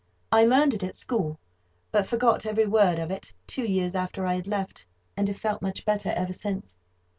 I learned it at school, but forgot every word of it two years after I had left, and have felt much better ever since.